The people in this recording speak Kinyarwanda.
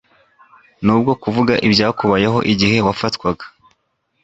nubwo kuvuga ibyakubayeho igihe wafatwaga